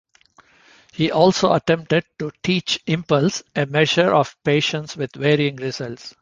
He also attempted to teach Impulse a measure of patience with varying results.